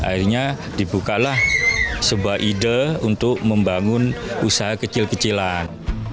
akhirnya dibukalah sebuah ide untuk membangun usaha kecil kecilan